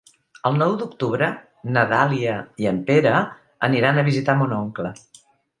El nou d'octubre na Dàlia i en Pere aniran a visitar mon oncle.